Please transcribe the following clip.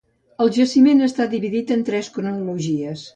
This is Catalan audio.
El jaciment està dividit en tres cronologies.